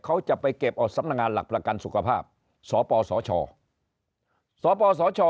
เขาจะไปเก็บเอาสำนักงานหลักประกันสุขภาพสปสชสปสช